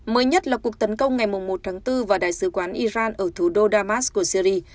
mới nhất là cuộc tấn công ngày một tháng bốn và đại sứ quán iran ở thủ đô damas của syri